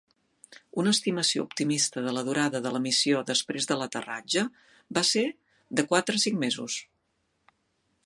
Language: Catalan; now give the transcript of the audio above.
Una estimació optimista de la durada de la missió després de l'aterratge va ser de "quatre a cinc mesos".